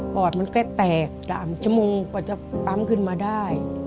ปอดมันแก้แตก๓ชมก็จะปั๊มขึ้นมาได้